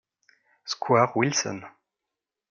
Square Wilson.